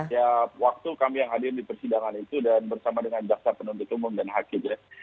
ya waktu kami yang hadir di persidangan itu dan bersama dengan jaksa penuntut umum dan hakim ya